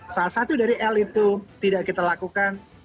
salah satu dari l itu tidak kita lakukan